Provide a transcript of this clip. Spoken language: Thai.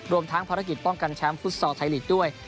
รวมทั้งภารกิจป้องกันแชมป์ฟุตซอลไทยลีกด้วย